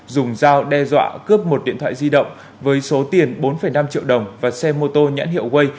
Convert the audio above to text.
dùng dao đe dọa cướp một điện thoại di động với số tiền bốn năm triệu đồng và xe mô tô nhãn hiệu way